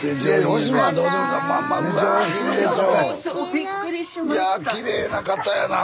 いやきれいな方やな。